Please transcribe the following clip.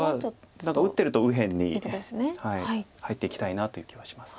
何か打ってると右辺に入っていきたいなという気はします。